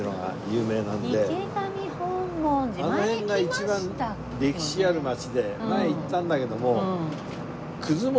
あの辺が一番歴史ある街で前行ったんだけども。